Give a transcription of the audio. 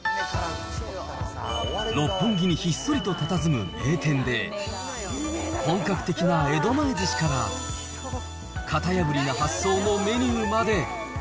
六本木にひっそりとたたずむ名店で、本格的な江戸前ずしから、型破りな発想のメニューまで。